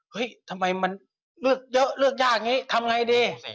ทำไมมันเลือกเยอะเลือกยากอย่างนี้ทำไงดี